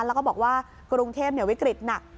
แล้วก็บอกว่ากรุงเทพวิกฤตหนัก